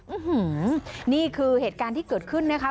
อื้อหือนี่คือเหตุการณ์ที่เกิดขึ้นนะครับ